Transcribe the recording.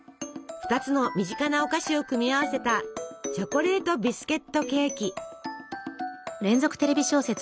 ２つの身近なお菓子を組み合わせたチョコレートビスケットケーキ。